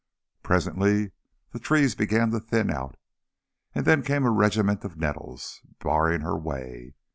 Presently the trees began to thin out, and then came a regiment of nettles barring the way.